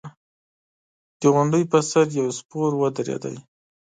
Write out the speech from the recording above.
د غونډۍ پر سر يو سپور ودرېد.